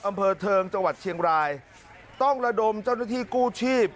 อำเภอเทิงจังหวัดเชียงรายต้องระดมเจ้าหน้าที่กู้ชีพ